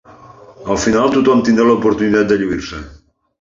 Al final tothom tindrà l'oportunitat de lluir-se.